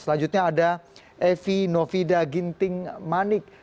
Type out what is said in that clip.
selanjutnya ada evi novida ginting manik